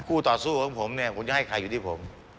คู่ต่อสู้ของผมผมจะให้ใครอยู่ที่ผม